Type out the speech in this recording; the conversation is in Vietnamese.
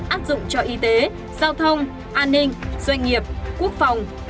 áp dụng cho y tế giao thông an ninh doanh nghiệp quốc phòng